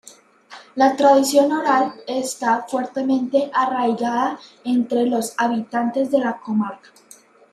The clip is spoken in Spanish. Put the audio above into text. La tradición oral está fuertemente arraigada entre los habitantes de la comarca.